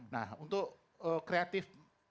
nah untuk kreatif